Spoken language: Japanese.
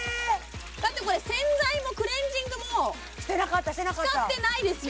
だってこれ洗剤もクレンジングもしてなかったしてなかった使ってないですよ